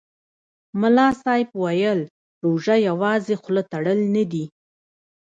ملا صاحب ویل: روژه یوازې خوله تړل نه دي.